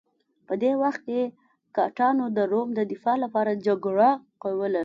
په دې وخت کې ګاټانو د روم دفاع لپاره جګړه کوله